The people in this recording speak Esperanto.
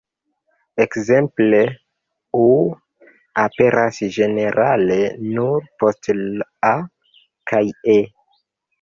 Ekzemple "ŭ" aperas ĝenerale nur post "a" kaj "e".